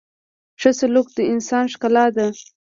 • ښه سلوک د انسان ښکلا ده.